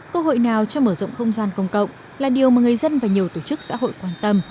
cơ hội nào cho mở rộng không gian công cộng là điều mà người dân và nhiều tổ chức xã hội quan tâm